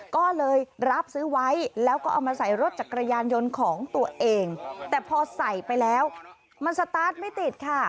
ก็เลยรับซื้อไว้แล้วก็เอามาใส่รถจักรยานยนต์ของตัวเองแต่พอใส่ไปแล้วมันสตาร์ทไม่ติดค่ะ